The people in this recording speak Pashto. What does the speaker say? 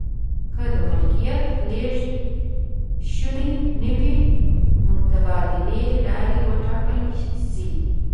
که د ملکیت لیږد شونی نه وي متبادلې لارې و ټاکل شي.